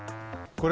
これ。